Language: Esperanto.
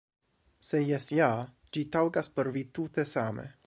Se jes ja, ĝi taŭgas por vi tute same.